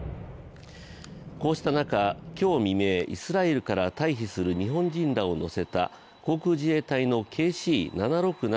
こうした中、今日未明イスラエルから退避する日本人らを乗せた航空自衛隊のＫＣ７６７